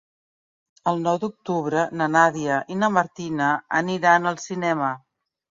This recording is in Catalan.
El nou d'octubre na Nàdia i na Martina aniran al cinema.